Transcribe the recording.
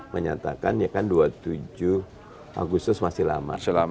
menyatakan ya kan dua puluh tujuh agustus masih lama